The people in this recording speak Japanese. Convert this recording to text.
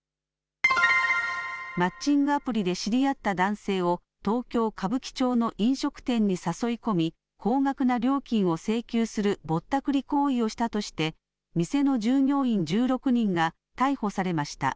マッチングアプリで知り合った男性を東京歌舞伎町の飲食店に誘い込み高額な料金を請求するぼったくり行為をしたとして店の従業員１６人が逮捕されました。